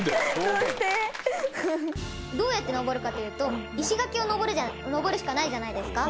響大君：どうやって登るかというと石垣を登るしかないじゃないですか。